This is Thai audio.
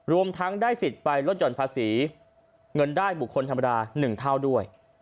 รวมทั้งได้สิทธิ์ไปลดห่อนภาษีเงินได้บุคคลธรรมดา๑เท่าด้วย